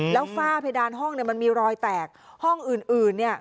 แล้วฝ้าเพดานห้องเนี่ยมันมีรอยแตกห้องอื่นเนี่ย